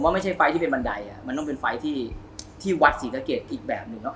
ไม่ใช่ไฟล์ที่เป็นบันไดมันต้องเป็นไฟล์ที่วัดศรีสะเกดอีกแบบหนึ่งแล้ว